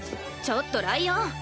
ちょっとライオン！